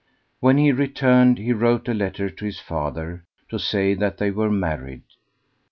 When he returned he wrote a letter to his father, to say that they were married.